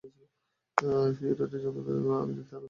ফিওরনেরের যন্ত্রণা দেখে উনি আনন্দে আটখানা হবেন।